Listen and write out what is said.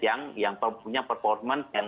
yang punya performance yang